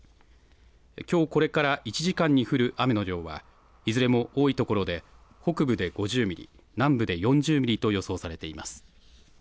きょうこれから１時間に降る雨の量は、いずれも多い所で、北部で５０ミリ、南部で４０ミリと予想されています。